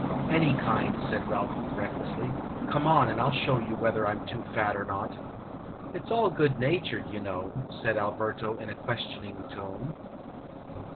"Any kind," said Ralph, recklessly. "Come on, and I '11 show you whether I 'm too fat or not." " It 's all good natured, you know?" said Alberto, in a question ing tone.